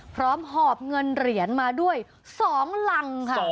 หอบเงินเหรียญมาด้วย๒รังค่ะ